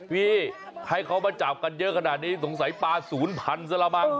พี่ให้เขามาจับกันเยอะขนาดนี้สงสัยปลา๐๐ซะละมั้ง